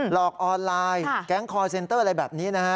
หลอกออนไลน์แก๊งคอร์เซ็นเตอร์อะไรแบบนี้นะฮะ